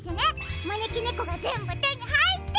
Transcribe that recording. まねきねこがぜんぶてにはいって！